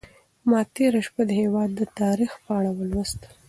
ما تېره شپه د هېواد د تاریخ په اړه ولوستل.